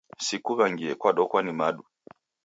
Sikuw'angie kwadokwa ni madu!